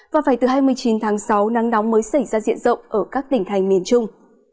và phải từ hai mươi chín tháng sáu nắng nóng mới xảy ra diện rộng ở các tỉnh thành miền trung